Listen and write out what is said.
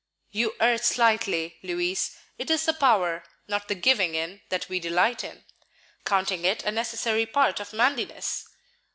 "You err slightly, Louis; it is the power, not the giving in that we delight in, counting it a necessary part of manliness."